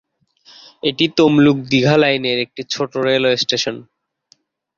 এটি তমলুক-দীঘা লাইনের একটি ছোট রেলওয়ে স্টেশন।